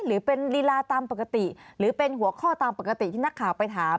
หรือเป็นลีลาตามปกติหรือเป็นหัวข้อตามปกติที่นักข่าวไปถาม